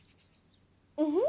うん。